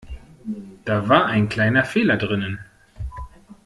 Da war ein kleiner Fehler drinnen.